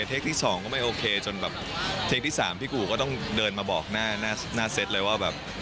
เทคที่สองก็ไม่โอเคจนเทคที่สามพี่กูก็ต้องเดินมาบอกหน้าเซตเลยว่า